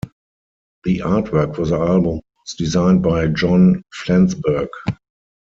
The artwork for the album was designed by John Flansburgh.